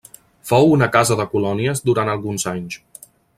Fou una casa de colònies durant alguns anys.